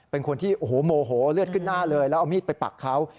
เป็นคนที่โอ้โหโมโหเลือดขึ้นหน้าเลยแล้วเอามีดไปปักเขา